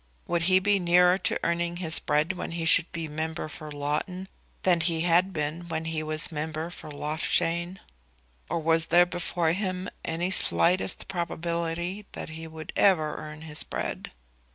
Would he be nearer to earning his bread when he should be member for Loughton than he had been when he was member for Loughshane? Or was there before him any slightest probability that he would ever earn his bread?